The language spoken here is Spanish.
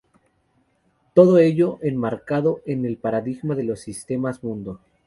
Todo ello enmarcado en el paradigma de los sistemas-mundo.